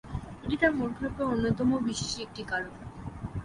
এটি তার মন খারাপের অন্যতম বিশেষ একটি কারণ।